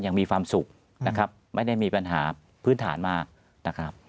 มีความสุขนะครับไม่ได้มีปัญหาพื้นฐานมากนะครับ